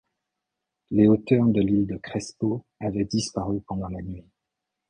Les hauteurs de l’île Crespo avaient disparu pendant la nuit.